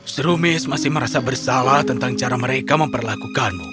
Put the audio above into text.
serumis masih merasa bersalah tentang cara mereka memperlakukanmu